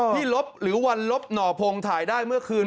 ลบหรือวันลบหน่อพงศ์ถ่ายได้เมื่อคืน